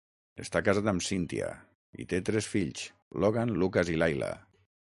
Està casat amb Cynthia i té tres fills: Logan, Lucas i Layla.